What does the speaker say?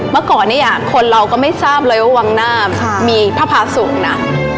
เมื่อก่อนคนเราก็ไม่ทราบเลยว่าวังหน้ามีพระพระสูงนะ